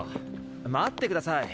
待ってください。